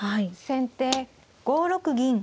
先手５六銀。